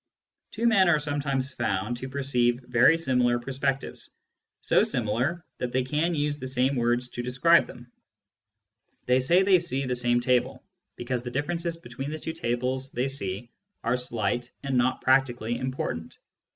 Two men are sometimes found to perceive very similar perspectives, so similar that they can use the same words to describe them. They say they see the same table, because the differences between the two tables they see are slight and not practically important.